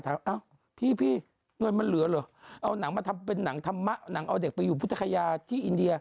เอ้าพี่เงินมันเหลือเหรอเอาหนังมาทำเป็นหนังธรรมะหนังเอาเด็กไปอยู่พุทธคยาที่อินเดีย